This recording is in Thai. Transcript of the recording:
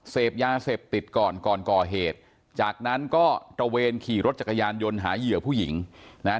เสพยาเสพติดก่อนก่อนก่อเหตุจากนั้นก็ตระเวนขี่รถจักรยานยนต์หาเหยื่อผู้หญิงนะฮะ